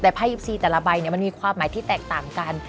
แต่ไพ่๒๔แต่ละใบมันมีความหมายที่แตกต่างกัน